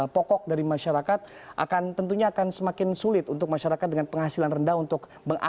pokok dari masyarakat akan tentunya akan semakin sulit untuk masyarakat dengan penghasilan rendah